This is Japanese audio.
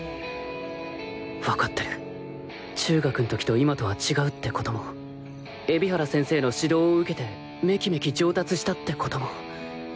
わかってる中学ん時と今とは違うってことも海老原先生の指導を受けてめきめき上達したってことも